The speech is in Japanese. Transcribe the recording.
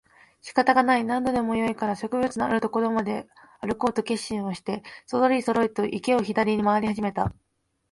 仕方がない、何でもよいから食物のある所まであるこうと決心をしてそろりそろりと池を左に廻り始めた